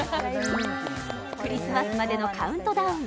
クリスマスまでのカウントダウン